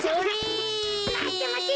まてまて！